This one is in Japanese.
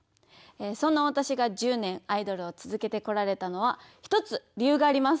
そんなわたしが１０年アイドルを続けてこられたのは１つ理由があります。